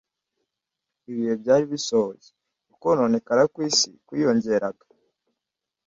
Ibihe byari bisohoye. Ukononekara kw'isi kwiyongeraga